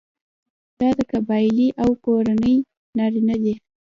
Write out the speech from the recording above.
دا د قبیلې او کورنۍ نارینه دي.